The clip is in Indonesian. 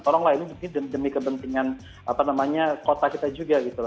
tolonglah ini demi kepentingan kota kita juga gitu loh